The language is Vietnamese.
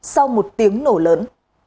sau một tiếng nổ lớn